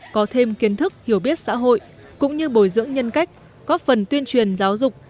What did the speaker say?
có thêm kiến thức hiểu biết xã hội cũng như bồi dưỡng nhân cách có phần tuyên truyền giáo dục